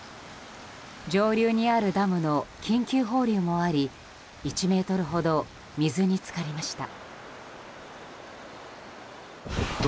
上流にあるダムの緊急放流もあり１ｍほど水に浸かりました。